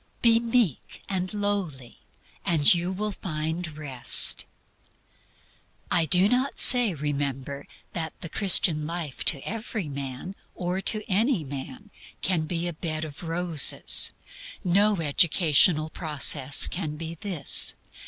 Be meek and lowly, and you will find Rest." I do not say, remember, that the Christian life to every man, or to any man, can be a bed of roses. No educational process can be this.